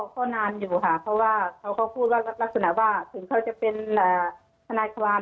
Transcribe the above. ก็นานอยู่ค่ะเพราะว่าเขาก็พูดว่ารักษณะว่าถึงเขาจะเป็นทนายความ